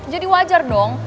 jadi wajar dong